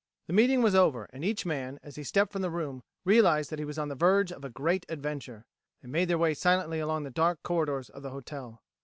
The meeting was over, and each man, as he stepped from the room, realized that he was on the verge of a great adventure. They made their way silently along the dark corridors of the hotel.